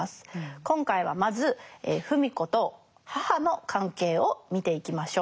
今回はまず芙美子と母の関係を見ていきましょう。